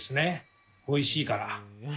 おいしいから！